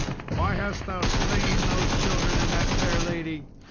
Why hast thou slain those children and that fair lady?